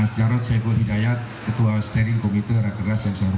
saya ini mengerti menurut pengertianwlanku